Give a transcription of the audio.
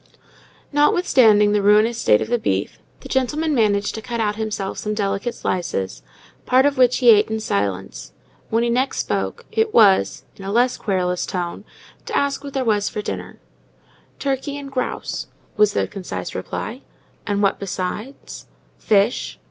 Notwithstanding the ruinous state of the beef, the gentleman managed to cut himself some delicate slices, part of which he ate in silence. When he next spoke, it was, in a less querulous tone, to ask what there was for dinner. "Turkey and grouse," was the concise reply. "And what besides?" "Fish."